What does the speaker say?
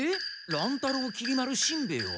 乱太郎きり丸しんべヱは？